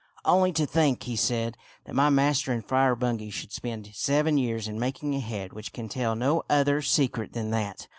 " Only to think," he said, " that my master and Friar Bungay should spend seven years in making a head which can tell no other secret than that